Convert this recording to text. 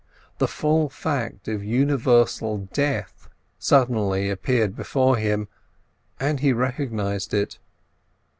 The full fact of universal death suddenly appeared before him, and he recognised it.